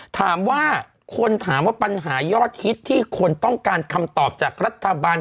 ถามว่าคนถามว่าปัญหายอดฮิตที่คนต้องการคำตอบจากรัฐบาล